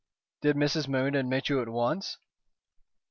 "Did Mrs. Moon admit you at once?"